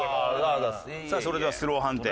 さあそれではスロー判定。